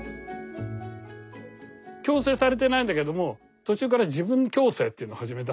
強制されてないんだけども途中から自分強制っていうのを始めたのね。